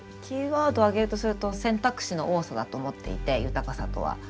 キーワードを挙げるとすると選択肢の多さだと思っていて豊かさとは。